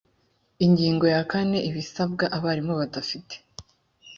ingingo ya kane ibisabwa abarimu badafite